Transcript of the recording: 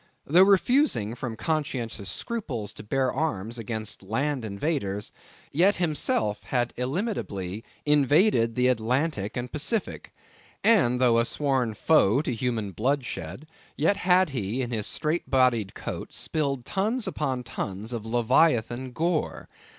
Though refusing, from conscientious scruples, to bear arms against land invaders, yet himself had illimitably invaded the Atlantic and Pacific; and though a sworn foe to human bloodshed, yet had he in his straight bodied coat, spilled tuns upon tuns of leviathan gore.